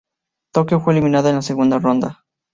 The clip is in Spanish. Tokio fue eliminada en la segunda ronda.